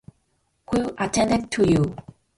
Who attended to you?